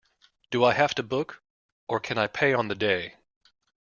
Do I have to book, or can I pay on the day?